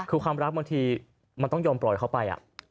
คือความรักบางทีมันต้องยอมปล่อยเขาไป